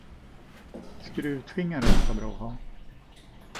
Skruvtvingar är ofta bra att ha.